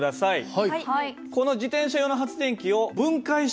はい。